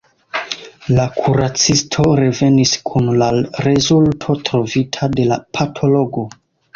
La kuracisto revenis kun la rezulto trovita de la patologo.